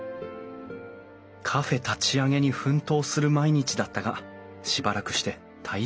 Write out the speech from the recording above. カフェ立ち上げに奮闘する毎日だったがしばらくして体調不良に気付く。